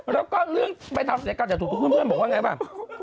แล้วก็เรื่องไปทำเสียกรรมถูกทุกเพื่อนบอกว่าอย่างไรบ้าง